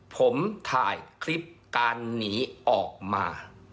ผมถ่ายคลิปการหนีออกมา